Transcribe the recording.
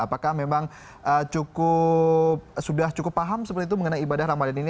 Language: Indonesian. apakah memang cukup sudah cukup paham seperti itu mengenai ibadah ramadhan ini